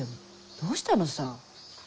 どうしたのさ？